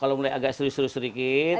kalau mulai agak serius serius sedikit